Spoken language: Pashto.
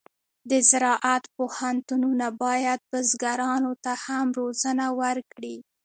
د زراعت پوهنتونونه باید بزګرانو ته هم روزنه ورکړي.